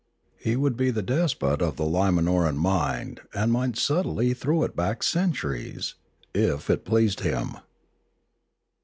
He would be the despot of the Limanoran mind and might subtly throw it back centuries, if it pleased him.